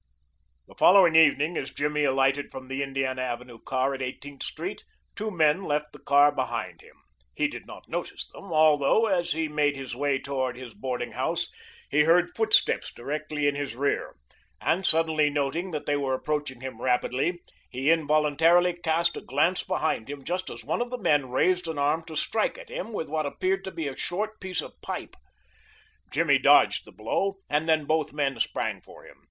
The following evening as Jimmy alighted from the Indiana Avenue car at Eighteenth Street, two men left the car behind him. He did not notice them, although, as he made his way toward his boarding house, he heard footsteps directly in his rear, and suddenly noting that they were approaching him rapidly, he involuntarily cast a glance behind him just as one of the men raised an arm to strike at him with what appeared to be a short piece of pipe. Jimmy dodged the blow and then both men sprang for him.